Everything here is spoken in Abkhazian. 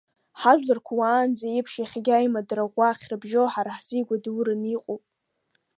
Ҳажәларқәа уаанӡа еиԥш иахьагьы аимадара ӷәӷәа ахьрыбжьоу ҳара ҳзы игәадураны иҟоуп.